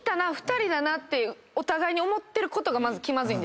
２人だなってお互いに思ってることがまず気まずい。